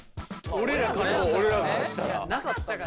俺らからしたら。